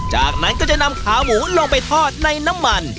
จากนั้นก็จะนำขาหมูลงไปทอดในน้ำมัน